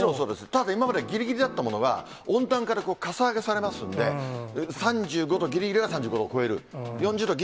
ただ今まで、ぎりぎりだったものが、温暖化でかさ上げされますんで、３５度、４０度ぎりぎりが４０度を超える。